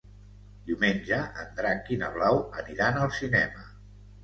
Diumenge en Drac i na Blau aniran al cinema.